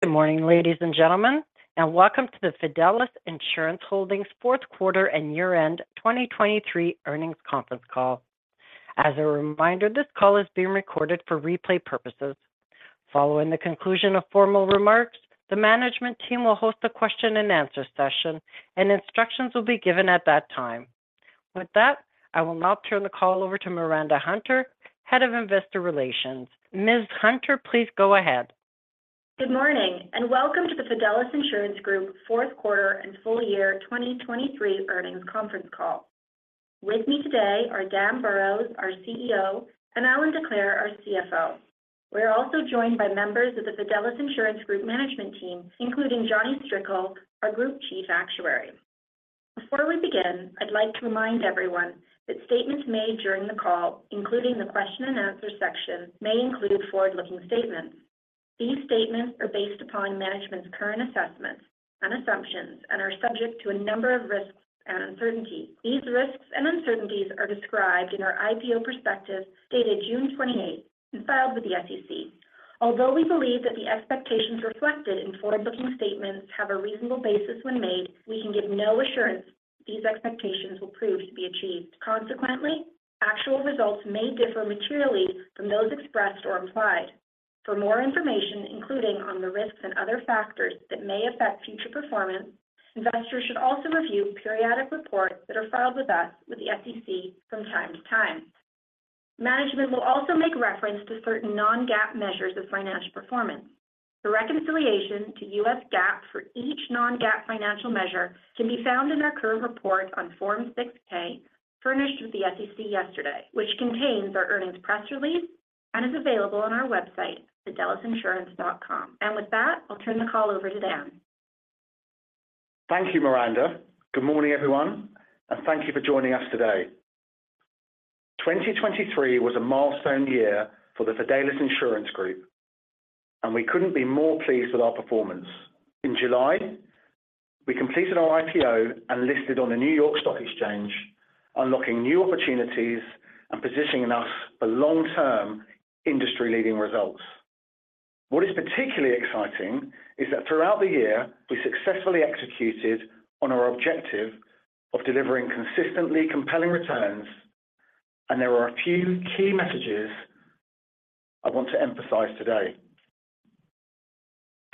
Good morning, ladies and gentlemen, and welcome to the Fidelis Insurance Holdings Fourth Quarter and Year-End 2023 Earnings Conference Call. As a reminder, this call is being recorded for replay purposes. Following the conclusion of formal remarks, the management team will host a question-and-answer session, and instructions will be given at that time. With that, I will now turn the call over to Miranda Hunter, Head of Investor Relations. Ms. Hunter, please go ahead. Good morning, and welcome to the Fidelis Insurance Group Fourth Quarter and Full Year 2023 Earnings Conference Call. With me today are Dan Burrows, our CEO, and Allan Decleir, our CFO. We're also joined by members of the Fidelis Insurance Group management team, including Jonny Strickle, our Group Chief Actuary. Before we begin, I'd like to remind everyone that statements made during the call, including the question and answer section, may include forward-looking statements. These statements are based upon management's current assessments and assumptions and are subject to a number of risks and uncertainties. These risks and uncertainties are described in our IPO prospectus, dated June 28, and filed with the SEC. Although we believe that the expectations reflected in forward-looking statements have a reasonable basis when made, we can give no assurance these expectations will prove to be achieved. Consequently, actual results may differ materially from those expressed or implied. For more information, including on the risks and other factors that may affect future performance, investors should also review periodic reports that are filed with us with the SEC from time to time. Management will also make reference to certain non-GAAP measures of financial performance. The reconciliation to U.S. GAAP for each non-GAAP financial measure can be found in our current report on Form 6-K, furnished with the SEC yesterday, which contains our earnings press release and is available on our website, fidelisinsurance.com. With that, I'll turn the call over to Dan. Thank you, Miranda. Good morning, everyone, and thank you for joining us today. 2023 was a milestone year for the Fidelis Insurance Group, and we couldn't be more pleased with our performance. In July, we completed our IPO and listed on the New York Stock Exchange, unlocking new opportunities and positioning us for long-term industry-leading results. What is particularly exciting is that throughout the year, we successfully executed on our objective of delivering consistently compelling returns, and there are a few key messages I want to emphasize today.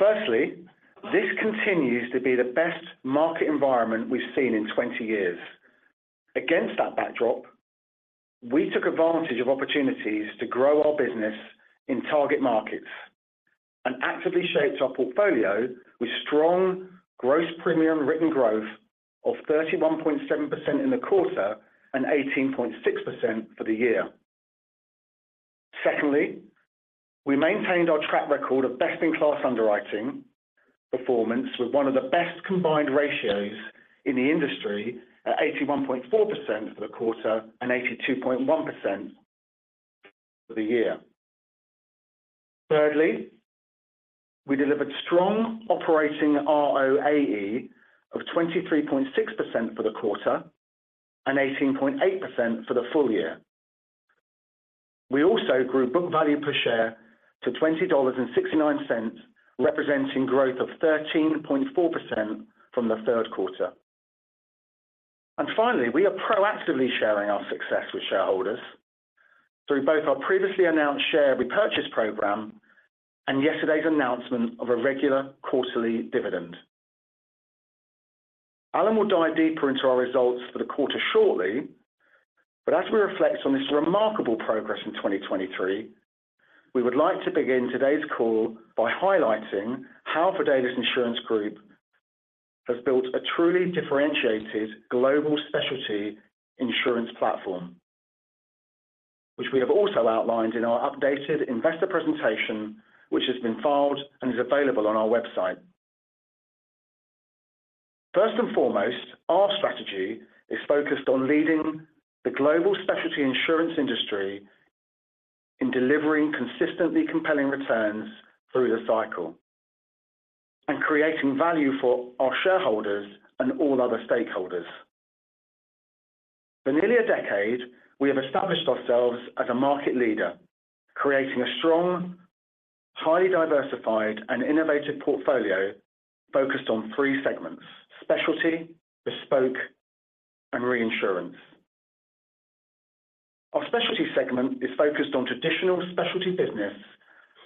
Firstly, this continues to be the best market environment we've seen in 20 years. Against that backdrop, we took advantage of opportunities to grow our business in target markets and actively shaped our portfolio with strong gross premium written growth of 31.7% in the quarter and 18.6% for the year. Secondly, we maintained our track record of best-in-class underwriting performance with one of the best combined ratios in the industry at 81.4% for the quarter and 82.1% for the year. Thirdly, we delivered strong operating ROAE of 23.6% for the quarter and 18.8% for the full year. We also grew book value per share to $20.69, representing growth of 13.4% from the third quarter. And finally, we are proactively sharing our success with shareholders through both our previously announced share repurchase program and yesterday's announcement of a regular quarterly dividend. Allan will dive deeper into our results for the quarter shortly, but as we reflect on this remarkable progress in 2023, we would like to begin today's call by highlighting how Fidelis Insurance Group has built a truly differentiated global specialty insurance platform, which we have also outlined in our updated investor presentation, which has been filed and is available on our website. First and foremost, our strategy is focused on leading the global specialty insurance industry in delivering consistently compelling returns through the cycle and creating value for our shareholders and all other stakeholders. For nearly a decade, we have established ourselves as a market leader, creating a strong, highly diversified and innovative portfolio focused on three segments: specialty, bespoke, and reinsurance. Our specialty segment is focused on traditional specialty business,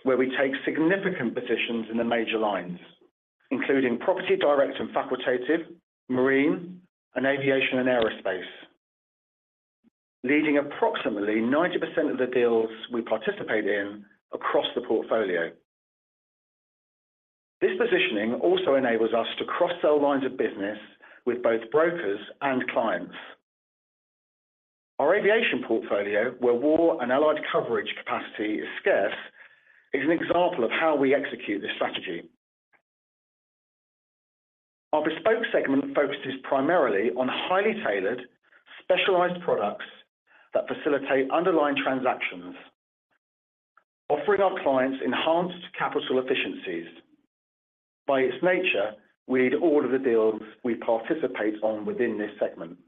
where we take significant positions in the major lines, including property direct and facultative, marine, and aviation and aerospace, leading approximately 90% of the deals we participate in across the portfolio. This positioning also enables us to cross-sell lines of business with both brokers and clients. Our aviation portfolio, where war and allied coverage capacity is scarce, is an example of how we execute this strategy. Our bespoke segment focuses primarily on highly tailored, specialized products that facilitate underlying transactions, offering our clients enhanced capital efficiencies. By its nature, we lead all of the deals we participate on within this segment....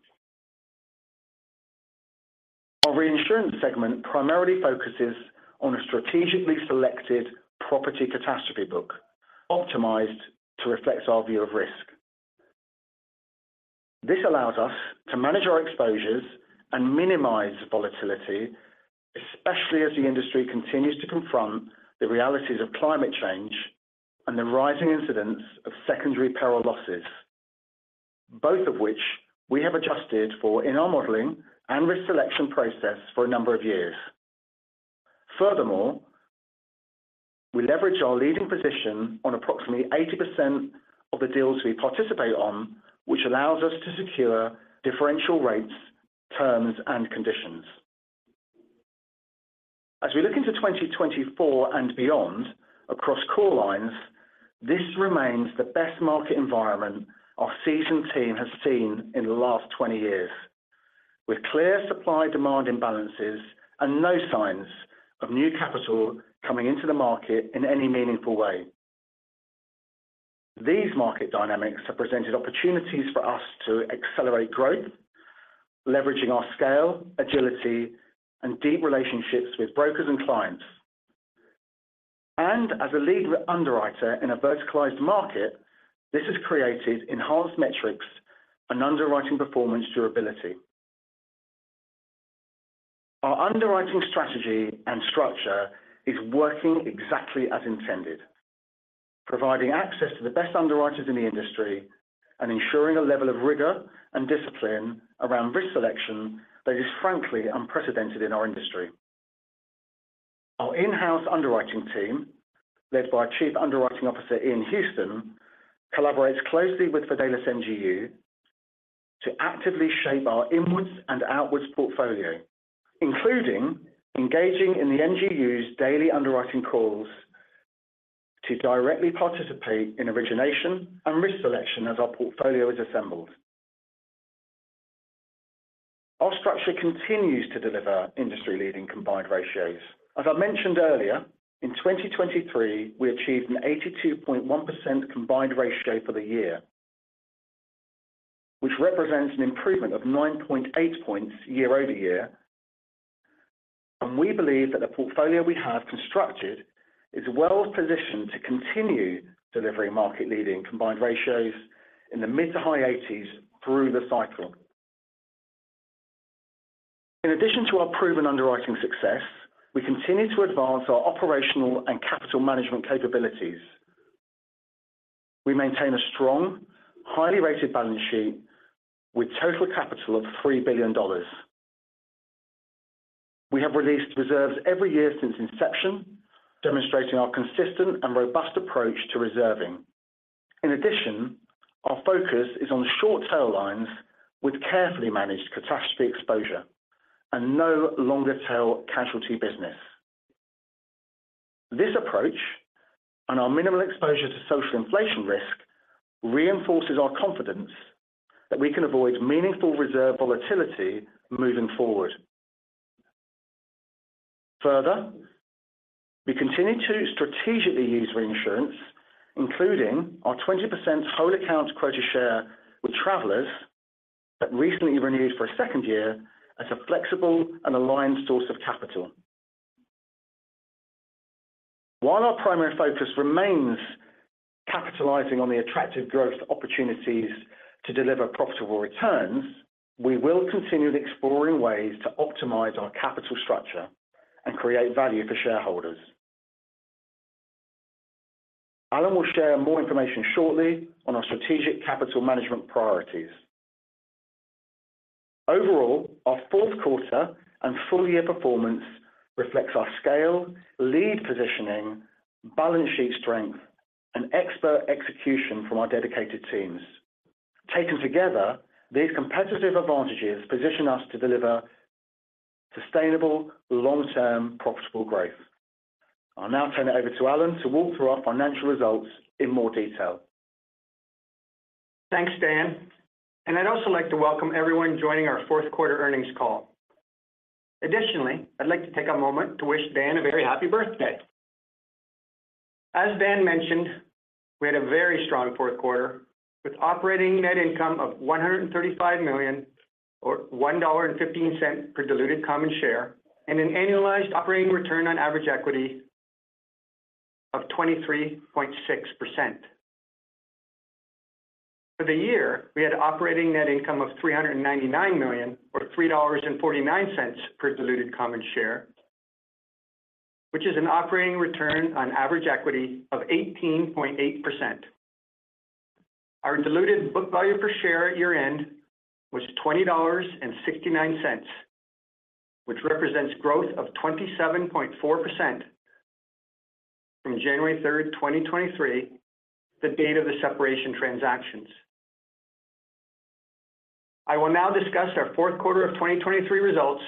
reinsurance segment primarily focuses on a strategically selected property catastrophe book, optimized to reflect our view of risk. This allows us to manage our exposures and minimize volatility, especially as the industry continues to confront the realities of climate change and the rising incidence of secondary peril losses, both of which we have adjusted for in our modeling and risk selection process for a number of years. Furthermore, we leverage our leading position on approximately 80% of the deals we participate on, which allows us to secure differential rates, terms, and conditions. As we look into 2024 and beyond across core lines, this remains the best market environment our seasoned team has seen in the last 20 years, with clear supply demand imbalances and no signs of new capital coming into the market in any meaningful way. These market dynamics have presented opportunities for us to accelerate growth, leveraging our scale, agility, and deep relationships with brokers and clients. As a lead underwriter in a verticalized market, this has created enhanced metrics and underwriting performance durability. Our underwriting strategy and structure is working exactly as intended, providing access to the best underwriters in the industry and ensuring a level of rigor and discipline around risk selection that is frankly unprecedented in our industry. Our in-house underwriting team, led by our Chief Underwriting Officer, Ian Houston, collaborates closely with Fidelis MGU to actively shape our inwards and outwards portfolio, including engaging in the MGU's daily underwriting calls to directly participate in origination and risk selection as our portfolio is assembled. Our structure continues to deliver industry-leading combined ratios. As I mentioned earlier, in 2023, we achieved an 82.1% combined ratio for the year, which represents an improvement of 9.8 points year-over-year. We believe that the portfolio we have constructed is well-positioned to continue delivering market-leading combined ratios in the mid- to high 80s through the cycle. In addition to our proven underwriting success, we continue to advance our operational and capital management capabilities. We maintain a strong, highly rated balance sheet with total capital of $3 billion. We have released reserves every year since inception, demonstrating our consistent and robust approach to reserving. In addition, our focus is on short-tail lines with carefully managed catastrophe exposure and no long-tail casualty business. This approach, and our minimal exposure to social inflation risk, reinforces our confidence that we can avoid meaningful reserve volatility moving forward. Further, we continue to strategically use reinsurance, including our 20% whole account quota share with Travelers, that recently renewed for a second year as a flexible and aligned source of capital. While our primary focus remains capitalizing on the attractive growth opportunities to deliver profitable returns, we will continue exploring ways to optimize our capital structure and create value for shareholders. Allan will share more information shortly on our strategic capital management priorities. Overall, our fourth quarter and full year performance reflects our scale, lead positioning, balance sheet strength, and expert execution from our dedicated teams. Taken together, these competitive advantages position us to deliver sustainable, long-term, profitable growth. I'll now turn it over to Allan to walk through our financial results in more detail. Thanks, Dan. I'd also like to welcome everyone joining our Fourth Quarter Earnings Call. Additionally, I'd like to take a moment to wish Dan a very happy birthday. As Dan mentioned, we had a very strong fourth quarter, with operating net income of $135 million, or $1.15 per diluted common share, and an annualized operating return on average equity of 23.6%. For the year, we had operating net income of $399 million, or $3.49 per diluted common share, which is an operating return on average equity of 18.8%. Our diluted book value per share at year-end was $20.69, which represents growth of 27.4% from January 3, 2023, the date of the separation transactions. I will now discuss our fourth quarter of 2023 results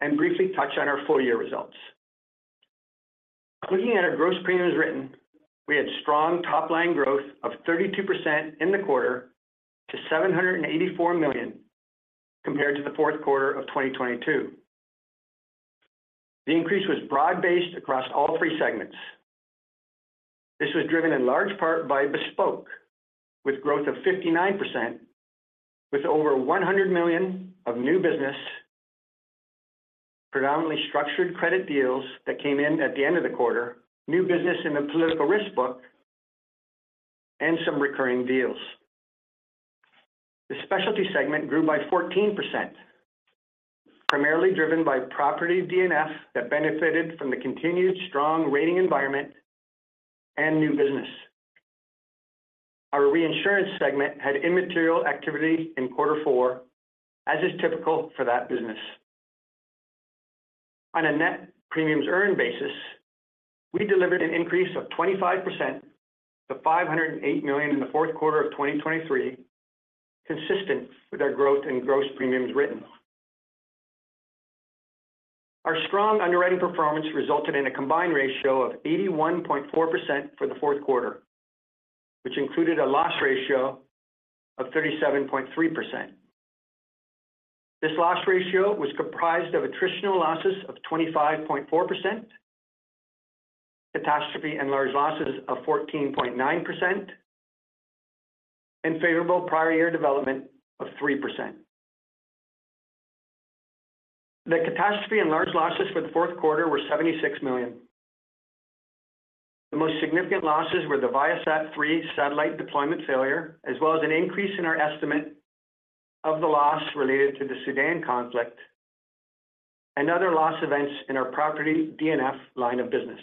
and briefly touch on our full-year results. Looking at our gross premiums written, we had strong top-line growth of 32% in the quarter to $784 million, compared to the fourth quarter of 2022. The increase was broad-based across all three segments.... This was driven in large part by bespoke, with growth of 59%, with over $100 million of new business, predominantly structured credit deals that came in at the end of the quarter, new business in the political risk book, and some recurring deals. The specialty segment grew by 14%, primarily driven by property D&F that benefited from the continued strong rating environment and new business. Our reinsurance segment had immaterial activity in quarter four, as is typical for that business. On a net premiums earned basis, we delivered an increase of 25% to $508 million in the fourth quarter of 2023, consistent with our growth in gross premiums written. Our strong underwriting performance resulted in a combined ratio of 81.4% for the fourth quarter, which included a loss ratio of 37.3%. This loss ratio was comprised of attritional losses of 25.4%, catastrophe and large losses of 14.9%, and favorable prior year development of 3%. The catastrophe and large losses for the fourth quarter were $76 million. The most significant losses were the ViaSat-3 satellite deployment failure, as well as an increase in our estimate of the loss related to the Sudan conflict and other loss events in our property D&F line of business.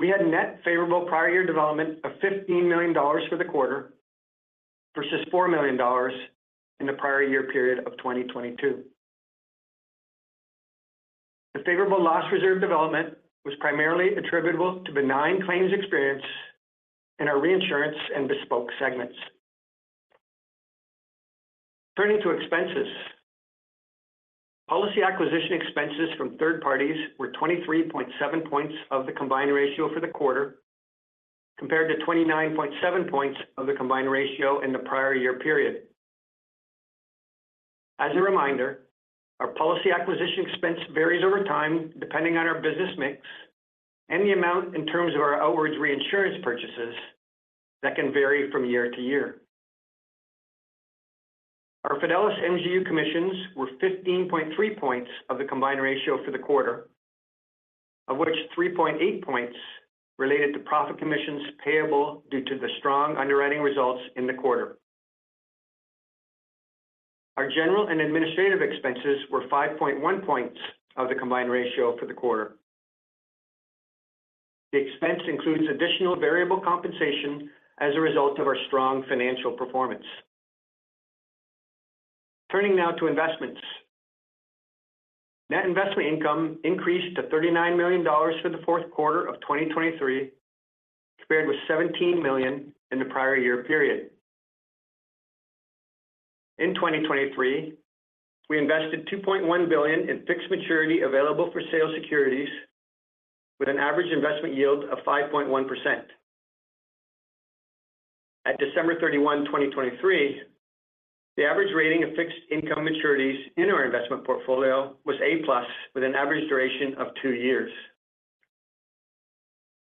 We had net favorable prior year development of $15 million for the quarter, versus $4 million in the prior year period of 2022. The favorable loss reserve development was primarily attributable to benign claims experience in our reinsurance and bespoke segments. Turning to expenses. Policy acquisition expenses from third parties were 23.7 points of the combined ratio for the quarter, compared to 29.7 points of the combined ratio in the prior year period. As a reminder, our policy acquisition expense varies over time, depending on our business mix and the amount in terms of our outwards reinsurance purchases that can vary from year to year. Our Fidelis MGU commissions were 15.3 points of the combined ratio for the quarter, of which 3.8 points related to profit commissions payable due to the strong underwriting results in the quarter. Our general and administrative expenses were 5.1 points of the combined ratio for the quarter. The expense includes additional variable compensation as a result of our strong financial performance. Turning now to investments. Net investment income increased to $39 million for the fourth quarter of 2023, compared with $17 million in the prior year period. In 2023, we invested $2.1 billion in fixed maturity available for sale securities with an average investment yield of 5.1%. At December 31, 2023, the average rating of fixed income maturities in our investment portfolio was A+, with an average duration of 2 years.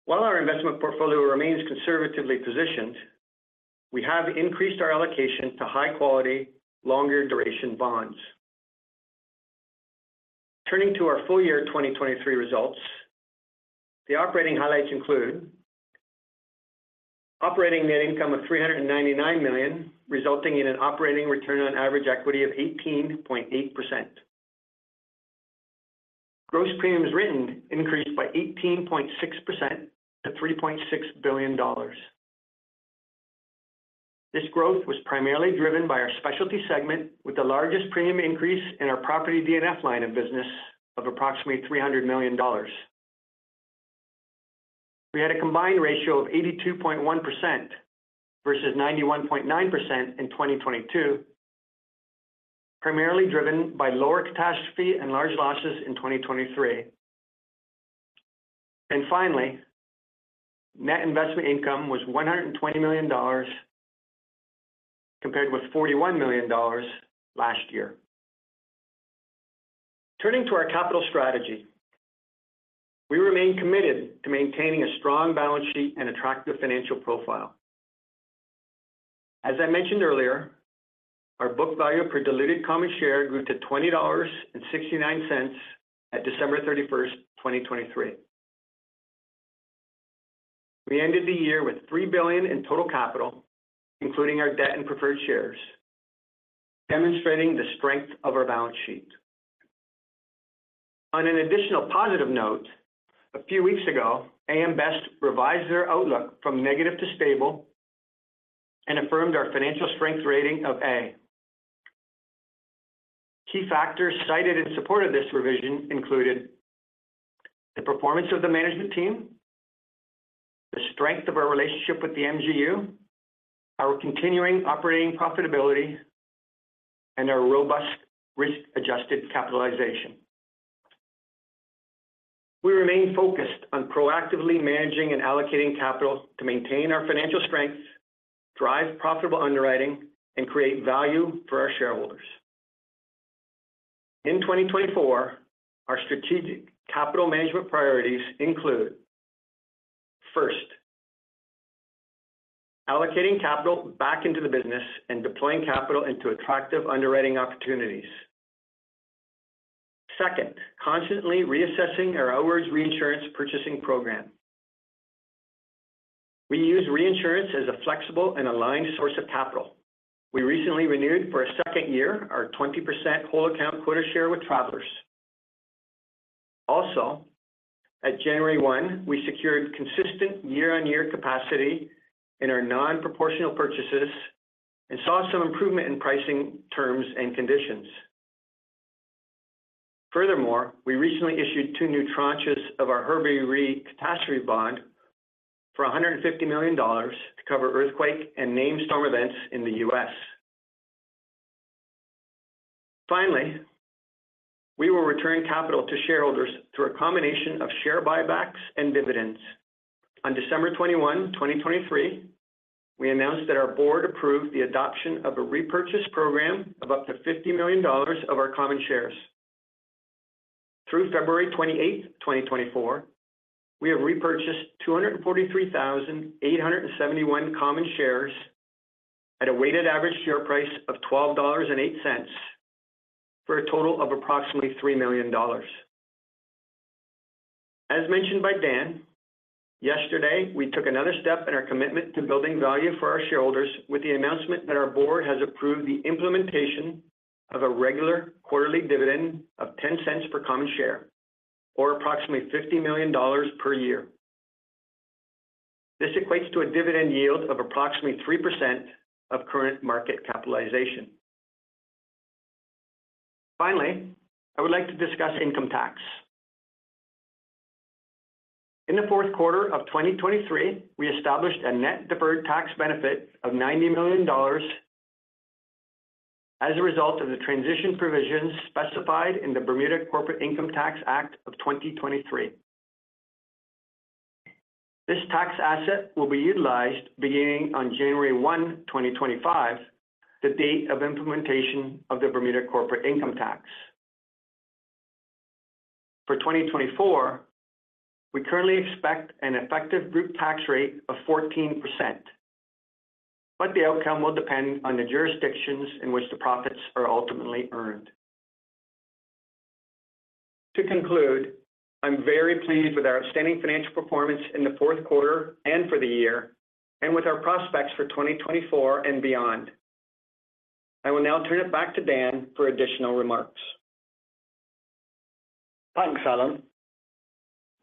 While our investment portfolio remains conservatively positioned, we have increased our allocation to high quality, longer duration bonds. Turning to our full year 2023 results, the operating highlights include operating net income of $399 million, resulting in an operating return on average equity of 18.8%. Gross premiums written increased by 18.6% to $3.6 billion. This growth was primarily driven by our specialty segment, with the largest premium increase in our property D&F line of business of approximately $300 million. We had a combined ratio of 82.1% versus 91.9% in 2022, primarily driven by lower catastrophe and large losses in 2023. Finally, net investment income was $120 million, compared with $41 million last year. Turning to our capital strategy, we remain committed to maintaining a strong balance sheet and attractive financial profile. As I mentioned earlier, our book value per diluted common share grew to $20.69 at December 31, 2023. We ended the year with $3 billion in total capital, including our debt and preferred shares, demonstrating the strength of our balance sheet. On an additional positive note, a few weeks ago, AM Best revised their outlook from negative to stable and affirmed our financial strength rating of A. Key factors cited in support of this revision included the performance of the management team, the strength of our relationship with the MGU, our continuing operating profitability, and our robust risk-adjusted capitalization. We remain focused on proactively managing and allocating capital to maintain our financial strength, drive profitable underwriting, and create value for our shareholders.... In 2024, our strategic capital management priorities include, first, allocating capital back into the business and deploying capital into attractive underwriting opportunities. Second, constantly reassessing our outwards reinsurance purchasing program. We use reinsurance as a flexible and aligned source of capital. We recently renewed for a second year, our 20% whole account quota share with Travelers. Also, at January 1, we secured consistent year-on-year capacity in our non-proportional purchases and saw some improvement in pricing terms and conditions. Furthermore, we recently issued two new tranches of our Herbie Re catastrophe bond for $150 million to cover earthquake and named storm events in the U.S. Finally, we will return capital to shareholders through a combination of share buybacks and dividends. On December 21, 2023, we announced that our board approved the adoption of a repurchase program of up to $50 million of our common shares. Through February 28, 2024, we have repurchased 243,871 common shares at a weighted average share price of $12.08, for a total of approximately $3 million. As mentioned by Dan, yesterday, we took another step in our commitment to building value for our shareholders with the announcement that our board has approved the implementation of a regular quarterly dividend of $0.10 per common share, or approximately $50 million per year. This equates to a dividend yield of approximately 3% of current market capitalization. Finally, I would like to discuss income tax. In the fourth quarter of 2023, we established a net deferred tax benefit of $90 million as a result of the transition provisions specified in the Bermuda Corporate Income Tax Act of 2023. This tax asset will be utilized beginning on January 1, 2025, the date of implementation of the Bermuda Corporate Income Tax. For 2024, we currently expect an effective group tax rate of 14%, but the outcome will depend on the jurisdictions in which the profits are ultimately earned. To conclude, I'm very pleased with our outstanding financial performance in the fourth quarter and for the year, and with our prospects for 2024 and beyond. I will now turn it back to Dan for additional remarks. Thanks, Allan.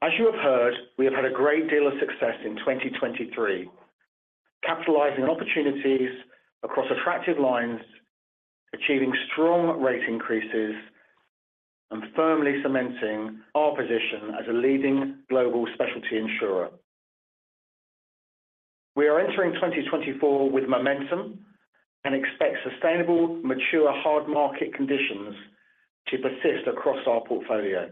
As you have heard, we have had a great deal of success in 2023, capitalizing on opportunities across attractive lines, achieving strong rate increases, and firmly cementing our position as a leading global specialty insurer. We are entering 2024 with momentum and expect sustainable, mature, hard market conditions to persist across our portfolio.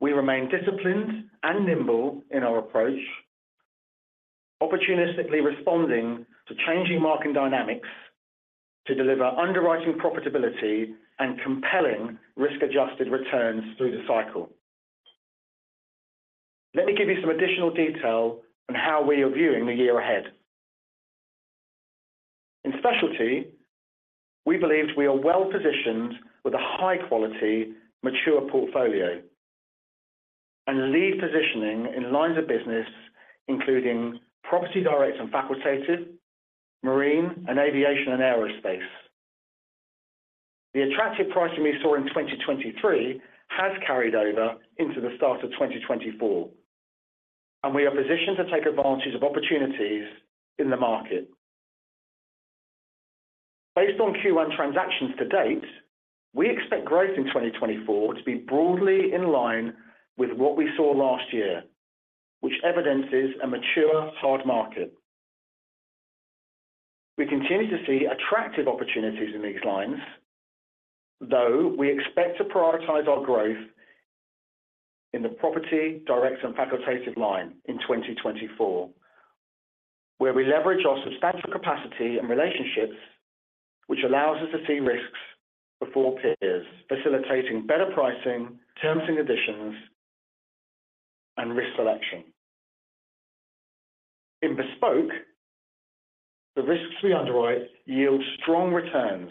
We remain disciplined and nimble in our approach, opportunistically responding to changing market dynamics to deliver underwriting profitability and compelling risk-adjusted returns through the cycle. Let me give you some additional detail on how we are viewing the year ahead. In specialty, we believe we are well-positioned with a high-quality, mature portfolio and lead positioning in lines of business, including property direct and facultative, marine, and aviation and aerospace. The attractive pricing we saw in 2023 has carried over into the start of 2024, and we are positioned to take advantage of opportunities in the market. Based on Q1 transactions to date, we expect growth in 2024 to be broadly in line with what we saw last year, which evidences a mature hard market. We continue to see attractive opportunities in these lines, though we expect to prioritize our growth in the property, direct and facultative line in 2024, where we leverage our substantial capacity and relationships, which allows us to see risks before peers, facilitating better pricing, terms, and conditions, and risk selection. In bespoke, the risks we underwrite yield strong returns.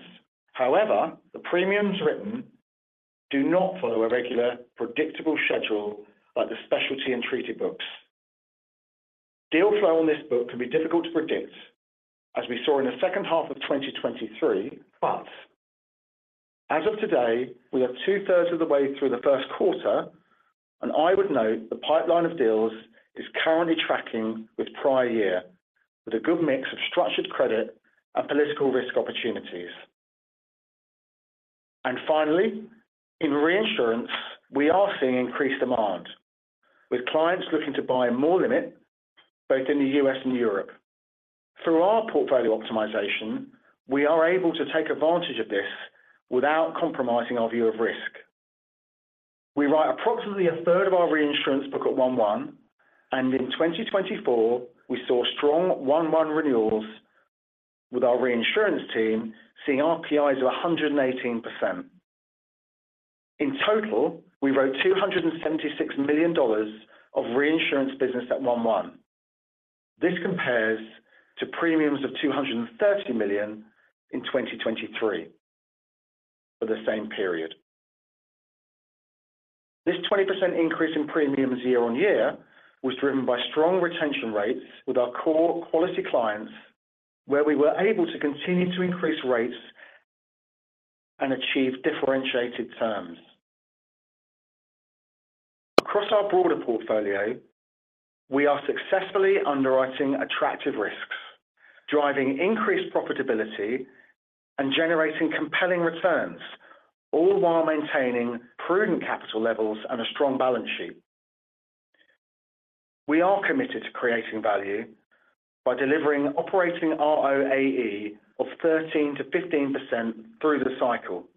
However, the premiums written do not follow a regular, predictable schedule like the specialty and treaty books. Deal flow on this book can be difficult to predict, as we saw in the second half of 2023. But as of today, we are two-thirds of the way through the first quarter, and I would note the pipeline of deals is currently tracking with prior year, with a good mix of structured credit and political risk opportunities. And finally, in reinsurance, we are seeing increased demand, with clients looking to buy more limit, both in the U.S. and Europe. Through our portfolio optimization, we are able to take advantage of this without compromising our view of risk. We write approximately a third of our reinsurance book at 1/1, and in 2024, we saw strong 1/1 renewals with our reinsurance team, seeing RPIs of 118%. In total, we wrote $276 million of reinsurance business at 1/1. This compares to premiums of $230 million in 2023 for the same period. This 20% increase in premiums year-on-year was driven by strong retention rates with our core quality clients, where we were able to continue to increase rates and achieve differentiated terms. Across our broader portfolio, we are successfully underwriting attractive risks, driving increased profitability and generating compelling returns, all while maintaining prudent capital levels and a strong balance sheet. We are committed to creating value by delivering operating ROAE of 13%-15% through the cycle.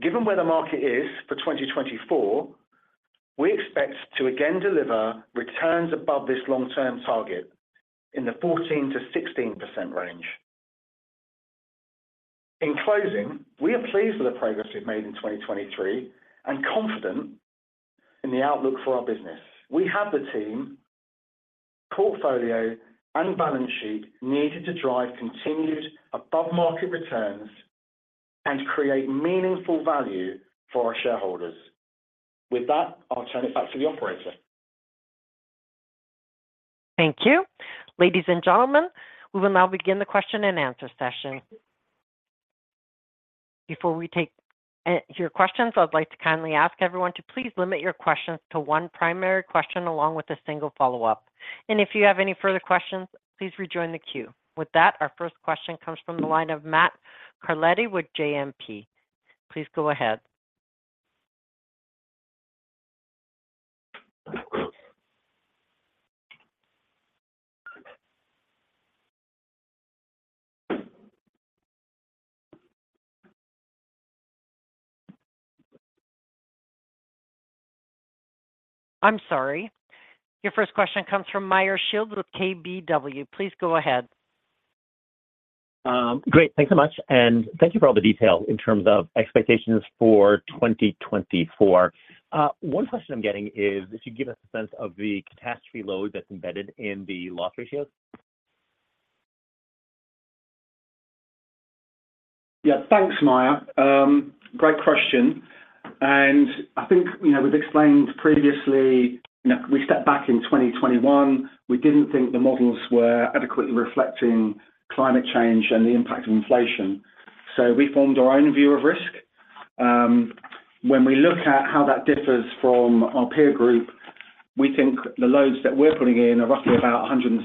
Given where the market is for 2024, we expect to again deliver returns above this long-term target in the 14%-16% range. In closing, we are pleased with the progress we've made in 2023 and confident in the outlook for our business. We have the team, portfolio, and balance sheet needed to drive continued above-market returns and create meaningful value for our shareholders. With that, I'll turn it back to the operator. Thank you. Ladies and gentlemen, we will now begin the question and answer session. Before we take your questions, I'd like to kindly ask everyone to please limit your questions to one primary question, along with a single follow-up. If you have any further questions, please rejoin the queue. With that, our first question comes from the line of Matt Carletti with JMP. Please go ahead. I'm sorry. Your first question comes from Meyer Shields with KBW. Please go ahead. Great. Thanks so much, and thank you for all the detail in terms of expectations for 2024. One question I'm getting is, if you give us a sense of the catastrophe load that's embedded in the loss ratios? Yeah, thanks, Meyer. Great question, and I think, you know, we've explained previously, you know, we stepped back in 2021. We didn't think the models were adequately reflecting climate change and the impact of inflation, so we formed our own view of risk. When we look at how that differs from our peer group, we think the loads that we're putting in are roughly about 160%,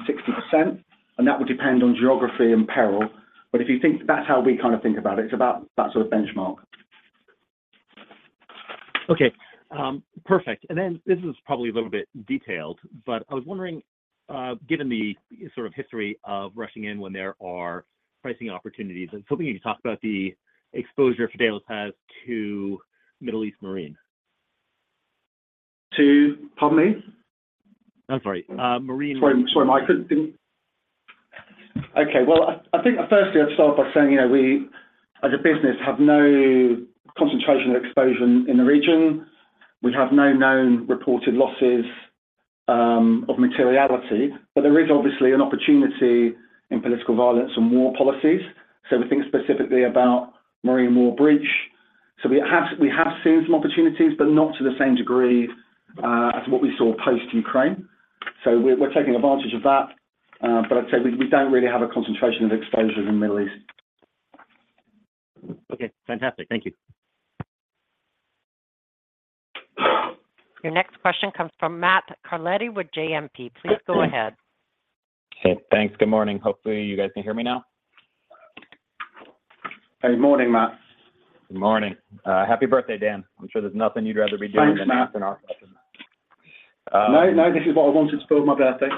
and that would depend on geography and peril. But if you think that's how we kind of think about it, it's about that sort of benchmark. Okay, perfect. And then this is probably a little bit detailed, but I was wondering, given the sort of history of rushing in when there are pricing opportunities, I was hoping you could talk about the exposure Fidelis has to Middle East Marine. To? Pardon me. Sorry, Mike. I couldn't think. Okay, well, I think firstly, I'd start off by saying, you know, we as a business have no concentration or exposure in the region. We have no known reported losses of materiality, but there is obviously an opportunity in political violence and war policies. So we think specifically about Marine War Breach. So we have seen some opportunities, but not to the same degree as what we saw post-Ukraine. So we're taking advantage of that, but I'd say we don't really have a concentration of exposure in the Middle East. Okay, fantastic. Thank you. Your next question comes from Matt Carletti with JMP. Please go ahead. Okay, thanks. Good morning. Hopefully, you guys can hear me now. Good morning, Matt. Good morning. Happy birthday, Dan. I'm sure there's nothing you'd rather be doing than asking our question. Thanks, Matt. No, no, this is what I wanted for my birthday.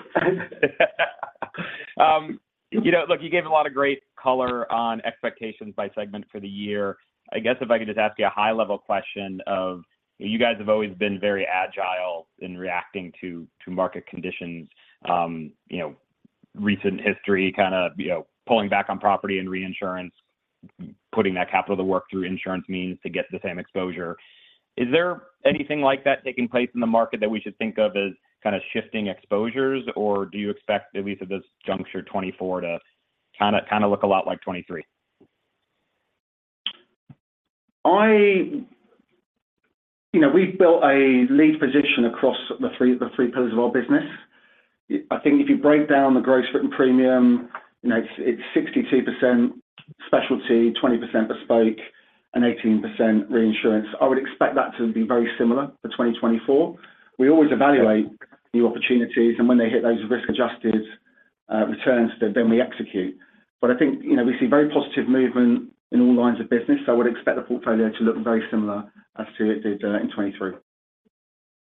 You know, look, you gave a lot of great color on expectations by segment for the year. I guess if I could just ask you a high-level question of: you guys have always been very agile in reacting to market conditions, you know, recent history, kind of, you know, pulling back on property and reinsurance, putting that capital to work through insurance means to get the same exposure. Is there anything like that taking place in the market that we should think of as kind of shifting exposures, or do you expect at least at this juncture, 2024 to kinda, kinda look a lot like 2023? You know, we've built a lead position across the three, the three pillars of our business. I think if you break down the gross written premium, you know, it's, it's 62% specialty, 20% bespoke, and 18% reinsurance. I would expect that to be very similar for 2024. We always evaluate new opportunities, and when they hit those risk-adjusted, returns, then, then we execute. But I think, you know, we see very positive movement in all lines of business, so I would expect the portfolio to look very similar as to it did, in 2023.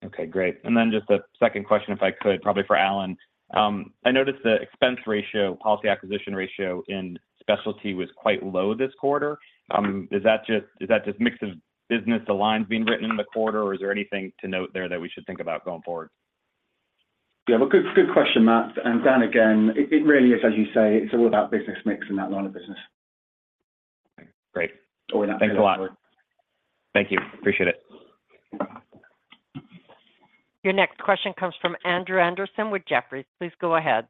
Okay, great. And then just a second question, if I could, probably for Allan. I noticed the expense ratio, policy acquisition ratio in specialty was quite low this quarter. Is that just, is that just mix of business, the lines being written in the quarter, or is there anything to note there that we should think about going forward? Yeah, good, good question, Matt. And Dan, again, it, it really is, as you say, it's all about business mix in that line of business. Great. Thanks a lot. Thank you. Appreciate it. Your next question comes from Andrew Andersen with Jefferies. Please go ahead.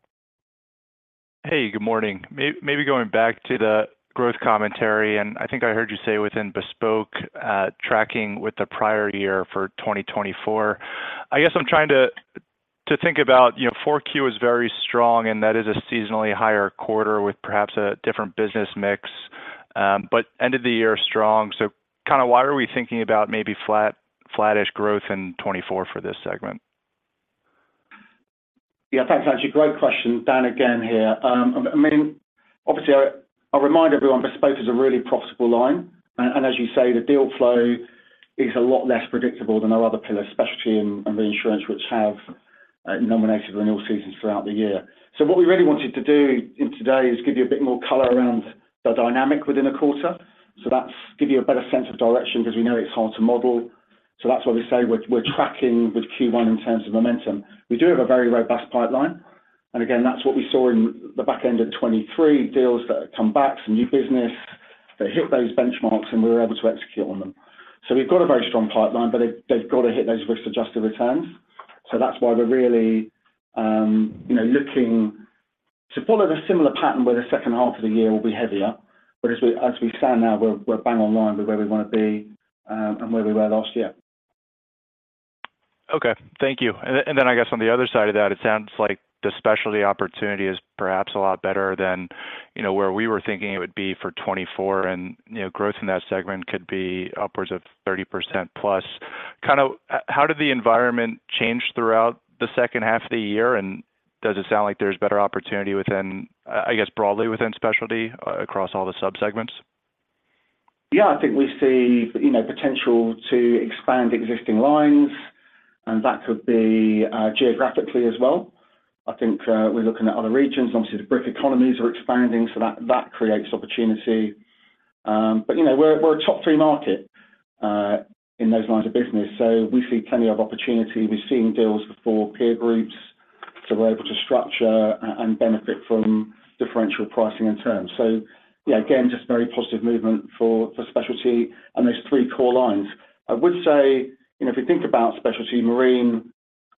Hey, good morning. Maybe going back to the growth commentary, and I think I heard you say within bespoke, tracking with the prior year for 2024. I guess I'm trying to, to think about, you know, Q4 is very strong, and that is a seasonally higher quarter with perhaps a different business mix, but end of the year strong. So kind of why are we thinking about maybe flattish growth in 2024 for this segment? Yeah, thanks, Andrew. Great question. Dan, again, here. I mean, obviously, I, I'll remind everyone, bespoke is a really profitable line, and, and as you say, the deal flow is a lot less predictable than our other pillar, specialty and, and reinsurance, which have nominated in all seasons throughout the year. So what we really wanted to do in today is give you a bit more color around the dynamic within a quarter. So that's give you a better sense of direction because we know it's hard to model. So that's why we say we're, we're tracking with Q1 in terms of momentum. We do have a very robust pipeline, and again, that's what we saw in the back end of 2023, deals that have come back, some new business, they hit those benchmarks, and we were able to execute on them. So we've got a very strong pipeline, but they've got to hit those risk-adjusted returns. So that's why we're really, you know, looking to follow the similar pattern where the second half of the year will be heavier. But as we stand now, we're bang on line with where we want to be, and where we were last year. Okay. Thank you. And then, and then I guess on the other side of that, it sounds like the specialty opportunity is perhaps a lot better than, you know, where we were thinking it would be for 2024, and, you know, growth in that segment could be upwards of 30%+. Kind of, how did the environment change throughout the second half of the year, and does it sound like there's better opportunity within, I guess, broadly within specialty across all the subsegments? Yeah, I think we see, you know, potential to expand existing lines, and that could be geographically as well. I think we're looking at other regions. Obviously, the BRIC economies are expanding, so that creates opportunity. But, you know, we're a top three market in those lines of business, so we see plenty of opportunity. We're seeing deals before peer groups, so we're able to structure and benefit from differential pricing and terms. So yeah, again, just very positive movement for specialty and those three core lines. I would say, you know, if you think about specialty marine,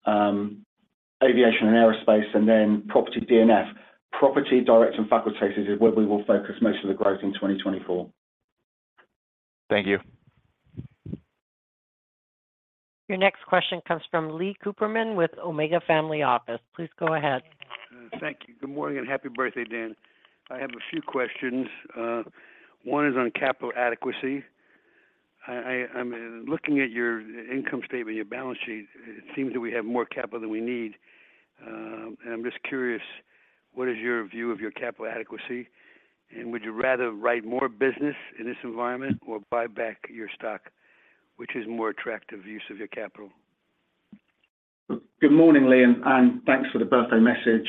aviation and aerospace, and then property D&F, property, direct and facultative is where we will focus most of the growth in 2024. Thank you. Your next question comes from Lee Cooperman with Omega Family Office. Please go ahead. Thank you. Good morning, and happy birthday, Dan. I have a few questions. One is on capital adequacy. I'm looking at your income statement, your balance sheet. It seems that we have more capital than we need. And I'm just curious, what is your view of your capital adequacy, and would you rather write more business in this environment or buy back your stock? Which is more attractive use of your capital? Good morning, Lee, and thanks for the birthday message.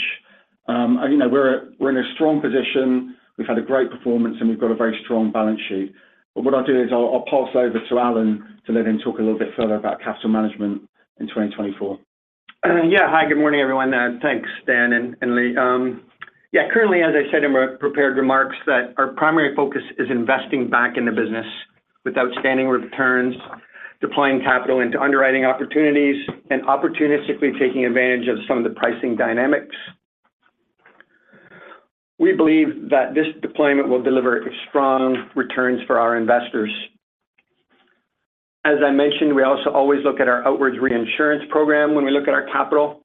You know, we're in a strong position. We've had a great performance, and we've got a very strong balance sheet. But what I'll do is I'll pass over to Allan to let him talk a little bit further about capital management in 2024. Yeah. Hi, good morning, everyone. Thanks, Dan and, and Lee. Yeah, currently, as I said in my prepared remarks, that our primary focus is investing back in the business with outstanding returns, deploying capital into underwriting opportunities, and opportunistically taking advantage of some of the pricing dynamics. We believe that this deployment will deliver strong returns for our investors. As I mentioned, we also always look at our outwards reinsurance program when we look at our capital.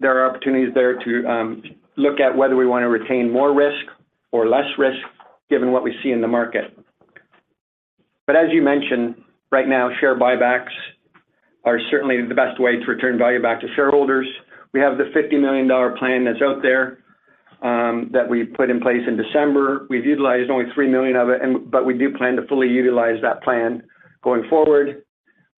There are opportunities there to look at whether we want to retain more risk or less risk, given what we see in the market. But as you mentioned, right now, share buybacks are certainly the best way to return value back to shareholders. We have the $50 million plan that's out there, that we put in place in December. We've utilized only $3 million of it, but we do plan to fully utilize that plan going forward.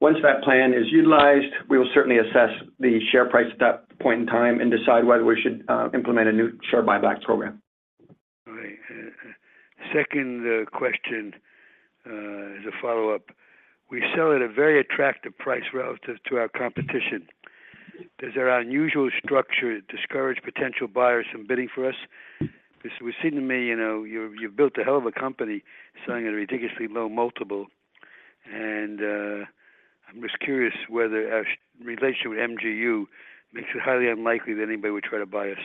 Once that plan is utilized, we will certainly assess the share price at that point in time and decide whether we should implement a new share buyback program. All right. Second question, as a follow-up. We sell at a very attractive price relative to our competition. Does our unusual structure discourage potential buyers from bidding for us? Because it would seem to me, you know, you, you've built a hell of a company selling at a ridiculously low multiple, and, I'm just curious whether our relationship with MGU makes it highly unlikely that anybody would try to buy us.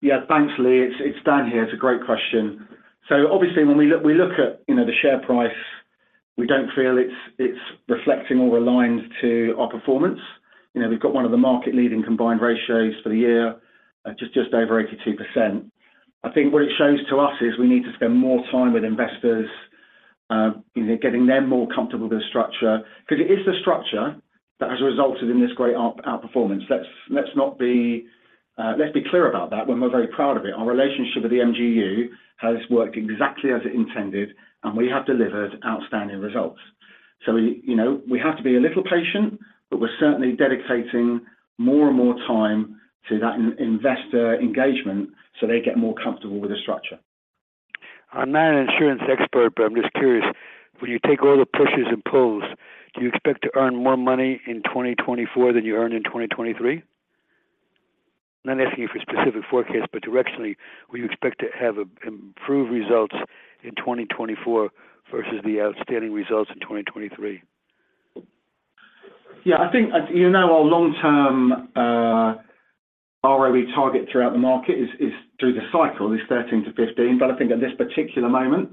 Yeah. Thanks, Lee. It's, it's Dan here. It's a great question. So obviously, when we look, we look at, you know, the share price, we don't feel it's, it's reflecting or aligned to our performance. You know, we've got one of the market leading combined ratios for the year at just, just over 82%. I think what it shows to us is we need to spend more time with investors, you know, getting them more comfortable with the structure. Because it is the structure that has resulted in this great outperformance. Let's, let's not be, let's be clear about that, when we're very proud of it. Our relationship with the MGU has worked exactly as intended, and we have delivered outstanding results. So we, you know, we have to be a little patient, but we're certainly dedicating more and more time to that investor engagement so they get more comfortable with the structure. I'm not an insurance expert, but I'm just curious, when you take all the pushes and pulls, do you expect to earn more money in 2024 than you earned in 2023? I'm not asking you for specific forecasts, but directionally, will you expect to have improved results in 2024 versus the outstanding results in 2023? Yeah, I think, you know, our long-term ROE target throughout the market is, through the cycle, 13-15. But I think at this particular moment,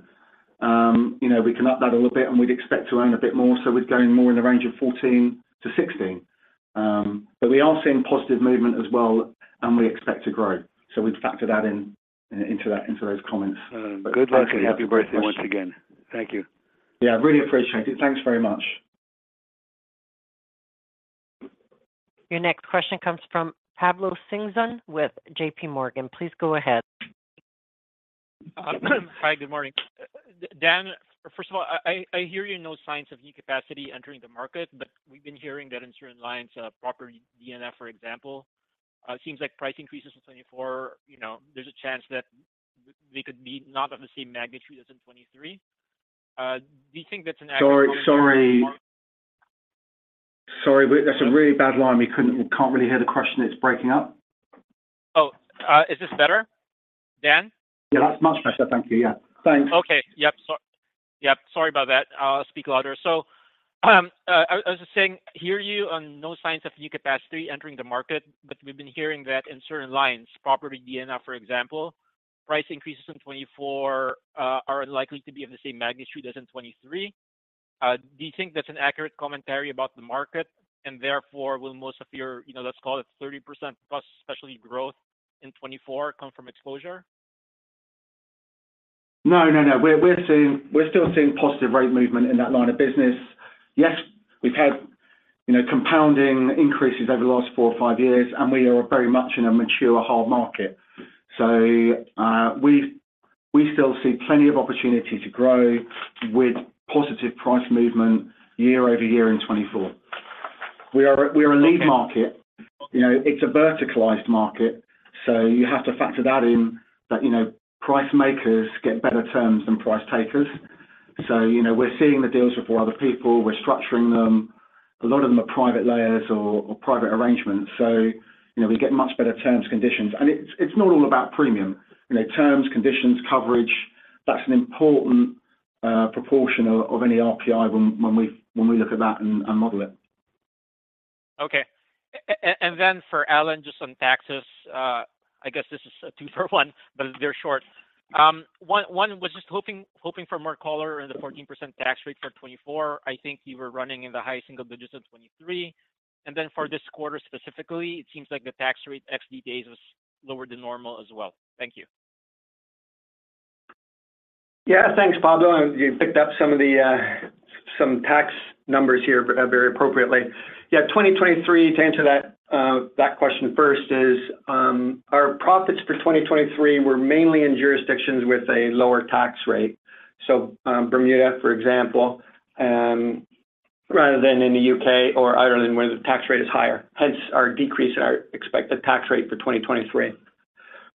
you know, we can up that a little bit and we'd expect to earn a bit more. So we're going more in the range of 14-16. But we are seeing positive movement as well, and we expect to grow. So we've factored that in, into those comments. Good luck, and happy birthday once again. Thank you. Yeah, I really appreciate it. Thanks very much. Your next question comes from Pablo Singzon with JP Morgan. Please go ahead. Hi, good morning. Dan, first of all, I hear you, no signs of new capacity entering the market, but we've been hearing that in certain lines, property D&F, for example, it seems like price increases in 2024, you know, there's a chance that they could be not of the same magnitude as in 2023. Do you think that's an accurate- Sorry. Sorry, sorry. That's a really bad line. We can't really hear the question. It's breaking up. Oh, is this better, Dan? Yeah, that's much better. Thank you. Yeah. Thanks. Yep, sorry about that. I'll speak louder. So, I was just saying, hear you on no signs of new capacity entering the market, but we've been hearing that in certain lines, property D&F, for example, price increases in 2024 are unlikely to be of the same magnitude as in 2023. Do you think that's an accurate commentary about the market, and therefore will most of your, you know, let's call it 30%+ specialty growth in 2024 come from exposure? No, no, no. We're seeing, we're still seeing positive rate movement in that line of business. Yes, we've had, you know, compounding increases over the last four or five years, and we are very much in a mature hard market. So, we still see plenty of opportunity to grow with positive price movement year-over-year in 2024. We are a lead market. You know, it's a verticalized market, so you have to factor that in, that, you know, price makers get better terms than price takers. So, you know, we're seeing the deals before other people, we're structuring them. A lot of them are private layers or private arrangements. So, you know, we get much better terms, conditions. And it's not all about premium. You know, terms, conditions, coverage, that's an important proportion of any RPI when we look at that and model it. Okay. And then for Allan, just on taxes, I guess this is a two for one, but they're short. One was just hoping for more color on the 14% tax rate for 2024. I think you were running in the high single digits in 2023. And then for this quarter specifically, it seems like the tax rate, XD days, was lower than normal as well. Thank you. Yeah, thanks, Pablo. You picked up some of the tax numbers here very appropriately. Yeah, 2023, to answer that question first is our profits for 2023 were mainly in jurisdictions with a lower tax rate. So, Bermuda, for example, rather than in the UK or Ireland, where the tax rate is higher, hence our decrease in our expected tax rate for 2023.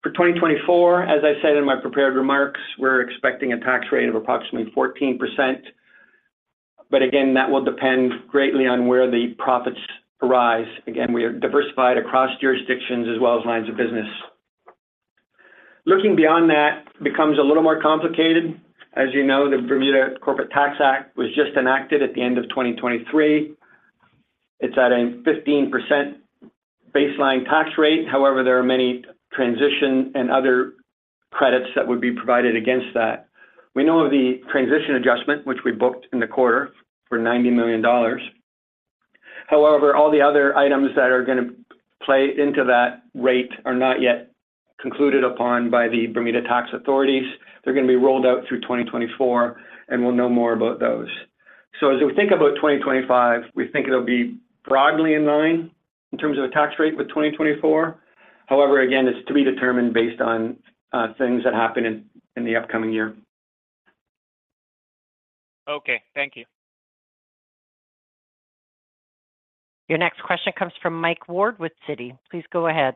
For 2024, as I said in my prepared remarks, we're expecting a tax rate of approximately 14%, but again, that will depend greatly on where the profits arise. Again, we are diversified across jurisdictions as well as lines of business. Looking beyond that becomes a little more complicated. As you know, the Bermuda Corporate Tax Act was just enacted at the end of 2023. It's at a 15% baseline tax rate. However, there are many transition and other credits that would be provided against that. We know of the transition adjustment, which we booked in the quarter for $90 million. However, all the other items that are gonna play into that rate are not yet concluded upon by the Bermuda tax authorities. They're gonna be rolled out through 2024, and we'll know more about those. So as we think about 2025, we think it'll be broadly in line in terms of the tax rate with 2024. However, again, it's to be determined based on things that happen in the upcoming year. Okay, thank you. Your next question comes from Mike Ward with Citi. Please go ahead.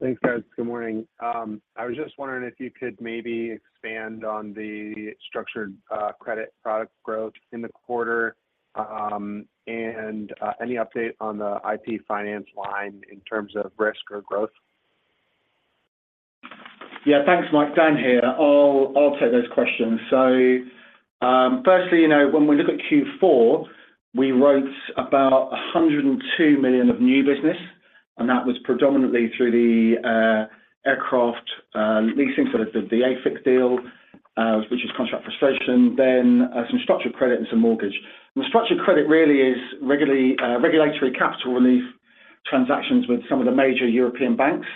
Thanks, guys. Good morning. I was just wondering if you could maybe expand on the Structured Credit product growth in the quarter, and any update on the IP Finance line in terms of risk or growth? Yeah, thanks, Mike. Dan here. I'll take those questions. So, firstly, you know, when we look at Q4, we wrote about $102 million of new business, and that was predominantly through the aircraft leasing, so the AFIC deal, which is contract frustration, then some structured credit and some mortgage. The structured credit really is regulatory capital relief transactions with some of the major European banks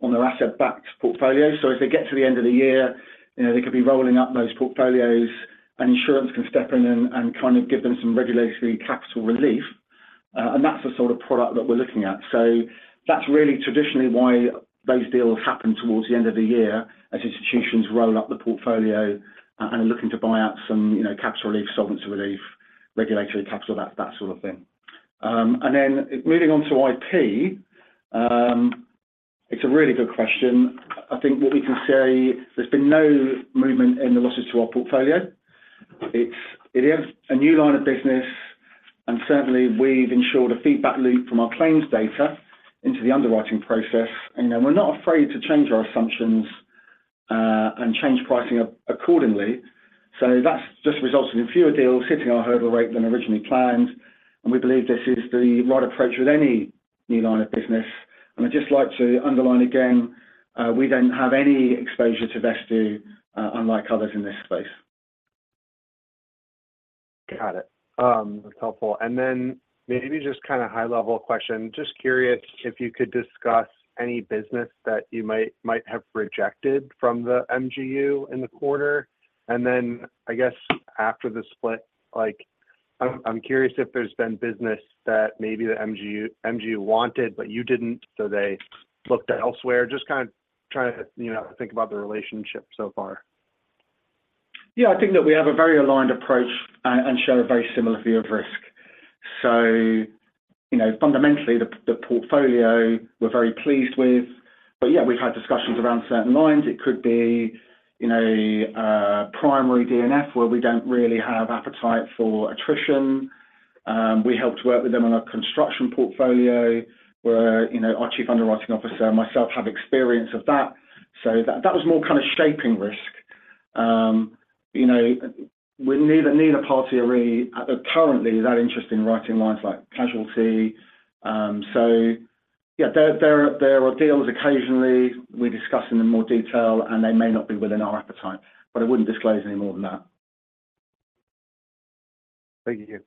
on their asset-backed portfolio. So if they get to the end of the year, you know, they could be rolling up those portfolios, and insurance can step in and kind of give them some regulatory capital relief. And that's the sort of product that we're looking at. So that's really traditionally why those deals happen towards the end of the year, as institutions roll up the portfolio and are looking to buy out some, you know, capital relief, solvency relief, regulatory capital, that sort of thing. And then moving on to IP, it's a really good question. I think what we can say, there's been no movement in the losses to our portfolio. It is a new line of business, and certainly we've ensured a feedback loop from our claims data into the underwriting process. And, you know, we're not afraid to change our assumptions and change pricing accordingly. So that's just resulted in fewer deals hitting our hurdle rate than originally planned, and we believe this is the right approach with any new line of business. I'd just like to underline again, we don't have any exposure to Vesttoo, unlike others in this space. Got it. That's helpful. And then maybe just kind of high-level question. Just curious if you could discuss any business that you might have rejected from the MGU in the quarter. And then, I guess, after the split, like, I'm curious if there's been business that maybe the MGU wanted but you didn't, so they looked elsewhere. Just kind of trying to, you know, think about the relationship so far. Yeah, I think that we have a very aligned approach and, and share a very similar view of risk. So, you know, fundamentally, the, the portfolio we're very pleased with. But yeah, we've had discussions around certain lines. It could be, you know, primary D&F, where we don't really have appetite for attrition. We helped work with them on a construction portfolio where, you know, our Chief Underwriting Officer and myself have experience of that. So that, that was more kind of shaping risk. You know, neither, neither party are really currently that interested in writing lines like casualty. So yeah, there, there are, there are deals occasionally we discuss in more detail, and they may not be within our appetite, but I wouldn't disclose any more than that. Thank you.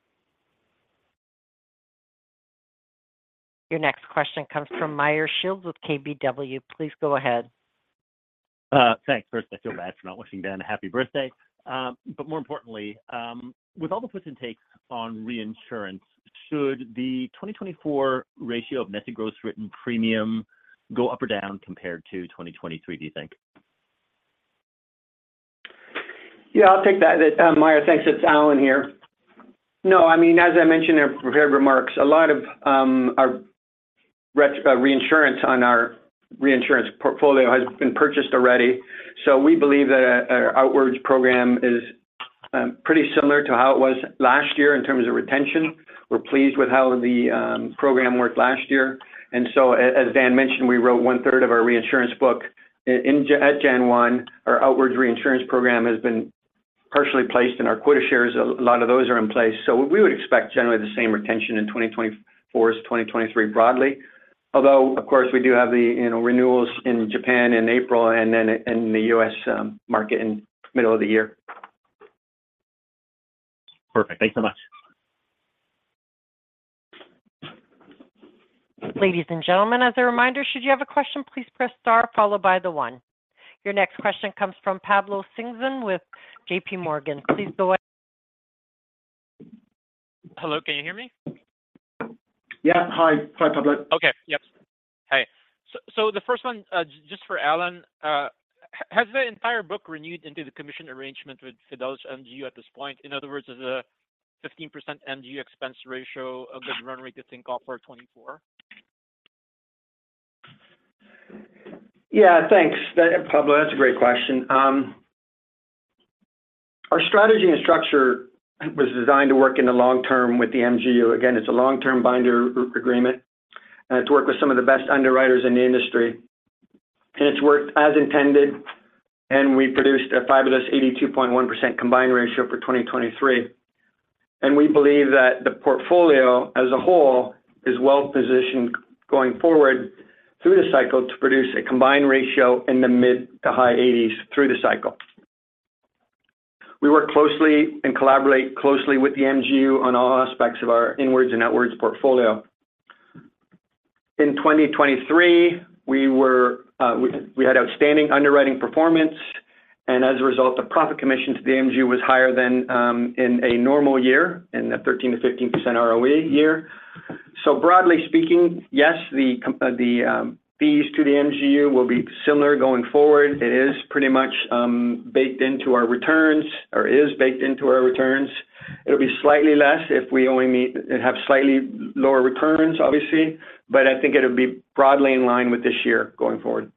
Your next question comes from Meyer Shields with KBW. Please go ahead. Thanks. First, I feel bad for not wishing Dan a happy birthday. But more importantly, with all the puts and takes on reinsurance, should the 2024 ratio of net to gross written premium go up or down compared to 2023, do you think? Yeah, I'll take that. Meyer, thanks. It's Allan here. No, I mean, as I mentioned in my prepared remarks, a lot of our reinsurance on our reinsurance portfolio has been purchased already. So we believe that our outwards program is pretty similar to how it was last year in terms of retention. We're pleased with how the program worked last year, and so as Dan mentioned, we wrote one-third of our reinsurance book. At January 1, our outwards reinsurance program has been partially placed, and our quota shares, a lot of those are in place. So we would expect generally the same retention in 2024 as 2023 broadly. Although, of course, we do have the, you know, renewals in Japan in April and then in the U.S. market in middle of the year. Perfect. Thanks so much. Ladies and gentlemen, as a reminder, should you have a question, please press Star followed by 1. Your next question comes from Pablo Singzon with JP Morgan. Please go ahead. Hello, can you hear me? Yeah. Hi. Hi, Pablo. Okay. Yep. Hi. So, the first one, just for Allan, has the entire book renewed into the commission arrangement with Fidelis MGU at this point? In other words, is a 15% MGU expense ratio a good run rate to think of for 2024? Yeah, thanks. That, Pablo, that's a great question. Our strategy and structure was designed to work in the long term with the MGU. Again, it's a long-term binder agreement, and it's worked with some of the best underwriters in the industry. And it's worked as intended, and we produced a fabulous 82.1% combined ratio for 2023. And we believe that the portfolio as a whole is well positioned, going forward through the cycle, to produce a combined ratio in the mid- to high 80s through the cycle. We work closely and collaborate closely with the MGU on all aspects of our inwards and outwards portfolio. In 2023, we had outstanding underwriting performance, and as a result, the profit commission to the MGU was higher than in a normal year, in a 13%-15% ROE year. So broadly speaking, yes, the fees to the MGU will be similar going forward. It is pretty much baked into our returns, or is baked into our returns. It'll be slightly less if we only meet... it'll have slightly lower recurrence, obviously, but I think it'll be broadly in line with this year going forward.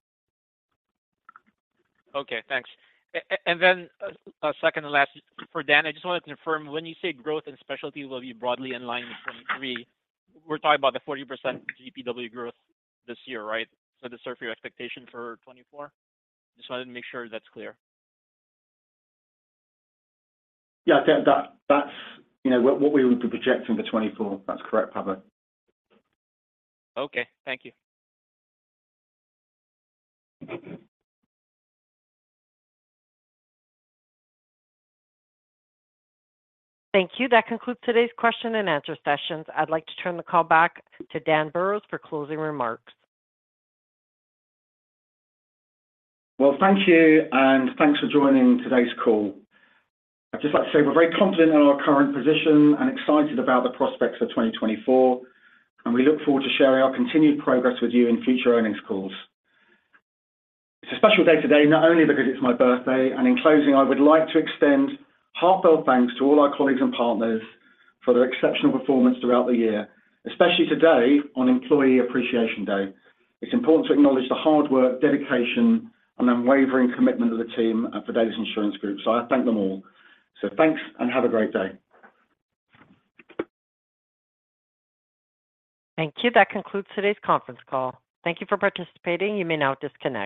Okay, thanks. And then, second and last for Dan, I just wanted to confirm, when you say growth and specialty will be broadly in line with 2023, we're talking about the 40% GPW growth this year, right? So does that serve your expectation for 2024? Just wanted to make sure that's clear. Yeah, I think that, that's, you know, what, what we would be projecting for 2024. That's correct, Pablo. Okay, thank you. Thank you. That concludes today's question and answer sessions. I'd like to turn the call back to Dan Burrows for closing remarks. Well, thank you, and thanks for joining today's call. I'd just like to say we're very confident in our current position and excited about the prospects for 2024, and we look forward to sharing our continued progress with you in future earnings calls. It's a special day today, not only because it's my birthday, and in closing, I would like to extend heartfelt thanks to all our colleagues and partners for their exceptional performance throughout the year, especially today on Employee Appreciation Day. It's important to acknowledge the hard work, dedication, and unwavering commitment of the team at Fidelis Insurance Group, so I thank them all. So thanks, and have a great day. Thank you. That concludes today's conference call. Thank you for participating. You may now disconnect.